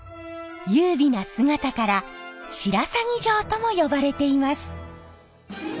優美な姿から白鷺城とも呼ばれています。